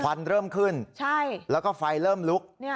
ควันเริ่มขึ้นแล้วก็ไฟเริ่มลุก